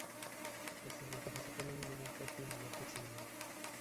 Estas ventajas suponen un menor coste y mayor flexibilidad.